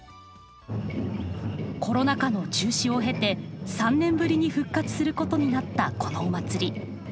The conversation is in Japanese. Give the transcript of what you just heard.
コロナ禍の中止を経て３年ぶりに復活することになったこのお祭り。